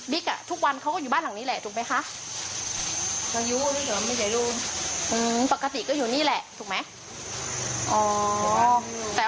อ๋อบิ๊กเขาเคยทำงานกับเสียแป้งไหมคะ